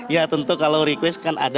ya tentu kalau request kan ada